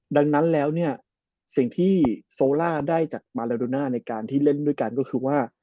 ดังนั้นแล้วเนี่ยสิ่งที่โซล่าได้จากมาลาโดน่าในการที่เล่นด้วยกันก็คือว่า